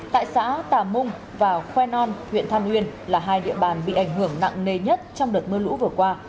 tại xã tà mung và khoen on huyện tham nguyên là hai địa bàn bị ảnh hưởng nặng nề nhất trong đợt mưa lũ vừa qua